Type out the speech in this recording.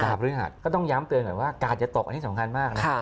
พฤหัสก็ต้องย้ำเตือนหน่อยว่ากาดจะตกอันนี้สำคัญมากนะ